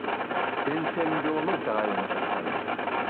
伝染病の疑いがもたれたんです。